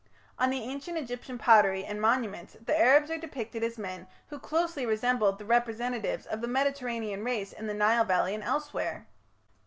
On the Ancient Egyptian pottery and monuments the Arabs are depicted as men who closely resembled the representatives of the Mediterranean race in the Nile valley and elsewhere.